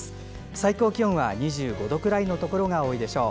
最高気温は、２５度くらいのところが多いでしょう。